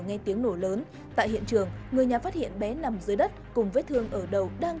nghe tiếng nổ lớn tại hiện trường người nhà phát hiện bé nằm dưới đất cùng vết thương ở đầu đang